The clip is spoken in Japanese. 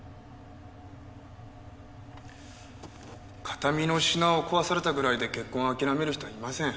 形見の品を壊されたぐらいで結婚をあきらめる人はいません。